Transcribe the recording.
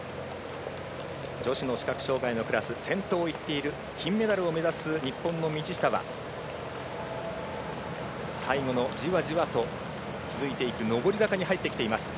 女子の視覚障がいのクラス先頭を行っている金メダルを目指す日本の道下は最後の、じわじわと続いていく上り坂に入ってきています。